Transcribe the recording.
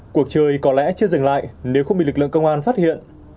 cuộc chơi có lẽ chưa dừng lại nếu không bị lực lượng công an phát hiện